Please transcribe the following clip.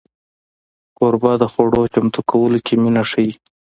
کوربه د خوړو چمتو کولو کې مینه ښيي.